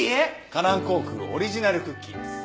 華南航空オリジナルクッキーです。